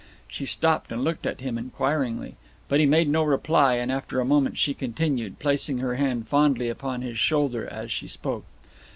She stopped and looked at him inquiringly. But he made no reply, and after a moment she continued, placing her hand fondly upon his shoulder as she spoke.